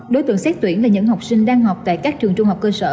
đối tượng xét tuyển là những học sinh đang học tại các trường trung học cơ sở